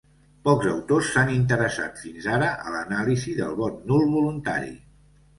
Pocs autors s'han interessat fins ara a l'anàlisi del vot nul voluntari.